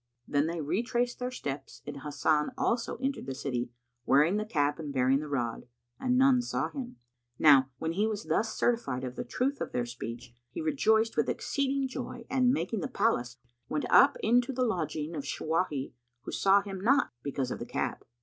Then they retraced their steps and Hasan also entered the city, wearing the cap and bearing the rod; and none saw him. Now when he was thus certified of the truth of their speech, he rejoiced with exceeding joy and making the palace, went up into the lodging of Shawahi, who saw him not, because of the cap.